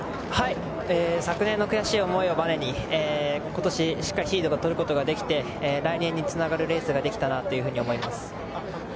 昨年の悔しいを思いをばねに今年しっかりシードを取ることができて来年につながるレースができたなと思います。